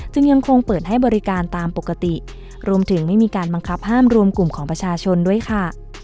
ยังคงเปิดให้บริการตามปกติรวมถึงไม่มีการบังคับห้ามรวมกลุ่มของประชาชนด้วยค่ะ